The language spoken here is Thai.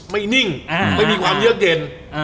นิ่งไม่มีความเยือกเย็น